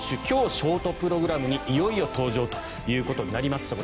今日、ショートプログラムにいよいよ登場ということになります。